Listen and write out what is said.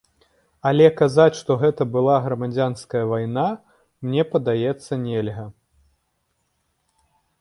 Але казаць, што гэта была грамадзянская вайна, мне падаецца, нельга.